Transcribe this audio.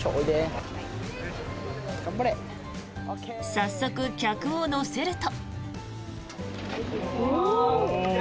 早速、客を乗せると。